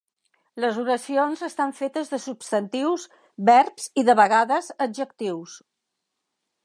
Les oracions estan fetes de substantius, verbs i de vegades adjectius.